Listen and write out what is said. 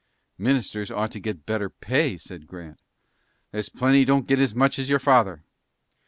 "Ministers ought to get better pay," said Grant. "There's plenty don't get as much as your father.